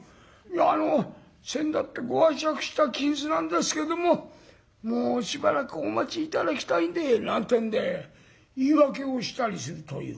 あのせんだってご拝借した金子なんですけどももうしばらくお待ち頂きたいんで」なんてんで言い訳をしたりするという。